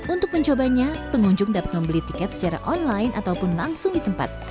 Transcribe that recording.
untuk mencobanya pengunjung dapat membeli tiket secara online ataupun langsung di tempat